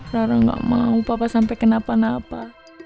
rara gak mau papa sampai kenapa napa